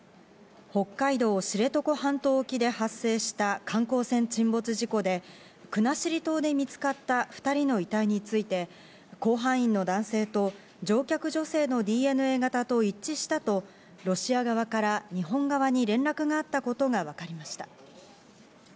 北海道知床半島沖で発生した観光船沈没事故で、国後島で見つかった２人の遺体について、甲板員の男性と乗客女性のＤＮＡ型と一致したとロシア側から日本側に連絡があったことがわかりました。